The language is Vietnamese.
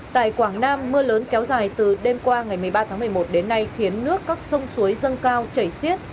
tại quảng nam mưa lớn kéo dài từ đêm qua ngày một mươi ba tháng một mươi một đến nay khiến nước các sông suối dâng cao chảy xiết